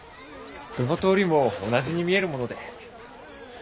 どの通りも同じに見えるもので。